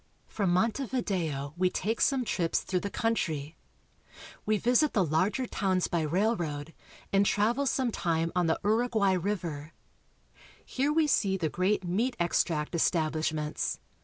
From Montevideo we take some trips through the country. We visit the larger towns by railroad and travel some time on the Uruguay river. Here we see the great meat extract establishments.